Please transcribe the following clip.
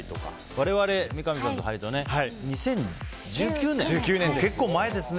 我々、三上さんと２０１９年、結構前ですね。